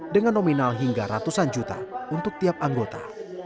dengan nominal hingga ratusan juta untuk tiap anggota